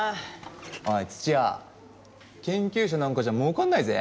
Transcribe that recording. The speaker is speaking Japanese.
おい土谷研究者なんかじゃもうかんないぜ？